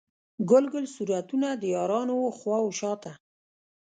ګل ګل صورتونه، د یارانو و خواو شاته